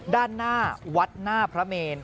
ด้านหน้าวัดหน้าพระเมน